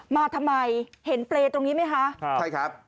มาทำไมเห็นเปรตตรงนี้ไหมคะ